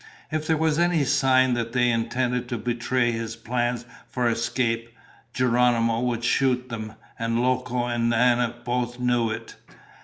If there was any sign that they intended to betray his plans for escape, Geronimo would shoot them, and Loco and Nana both knew it.